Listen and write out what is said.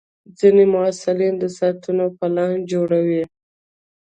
ځینې محصلین د ساعتونو پلان جوړوي.